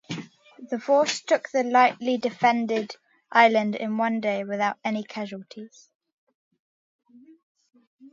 The force took the lightly defended island in one day without any casualties.